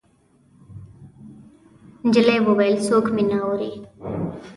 نجلۍ وويل: څوک مې نه اوري.